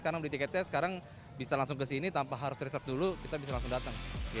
karena beli tiketnya sekarang bisa langsung ke sini tanpa harus research dulu kita bisa langsung datang